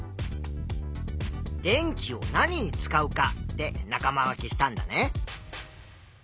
「電気を何に使うか」で仲間分けしたんだね。